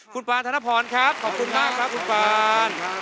คุณปานธนพรครับขอบคุณมากครับคุณปาน